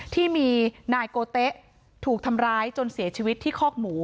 ที่มีนายโกเต๊ะถูกทำร้ายจนเสียชีวิตที่คอกหมู